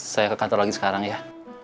saya ke kantor lagi sekarang ya